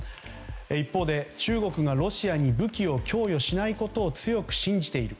一方で中国がロシアに武器を供与しないことを強く信じている。